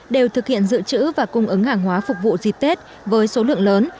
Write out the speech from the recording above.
đều thực hiện dự trữ và cung ứng hàng hóa phục vụ dịp tết với số lượng lớn